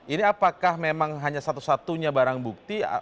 ini apakah memang hanya satu satunya barang bukti